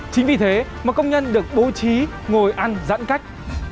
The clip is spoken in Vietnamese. chính vì thế một công nhân được bố trí ngồi ăn giãn cách